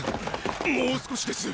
もう少しです！